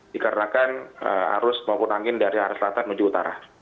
dikarenakan arus maupun angin dari arah selatan menuju utara